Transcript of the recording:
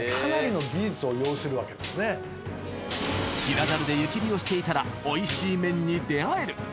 ［平ザルで湯切りをしていたらおいしい麺に出合える］